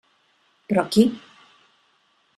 Però qui?